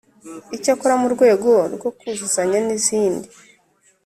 Icyakora mu rwego rwo kuzuzanya n izindi